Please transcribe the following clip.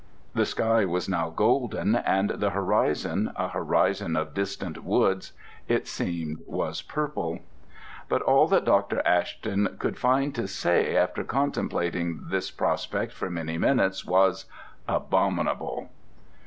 The sky was now golden and the horizon, a horizon of distant woods, it seemed, was purple. But all that Dr. Ashton could find to say, after contemplating this prospect for many minutes, was: "Abominable!"